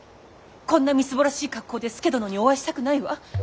こんなみすぼらしい格好で佐殿にお会いしたくないわ。